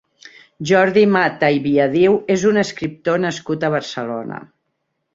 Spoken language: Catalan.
Jordi Mata i Viadiu és un escriptor nascut a Barcelona.